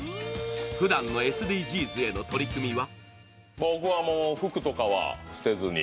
ふだんのＳＤＧｓへの取り組みは？